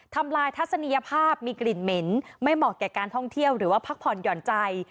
ทำลายทัศนียภาพมีกลิ่นเหม็นไม่เหมาะแก่การท่องเที่ยวหรือว่าพักผ่อนหย่อนใจ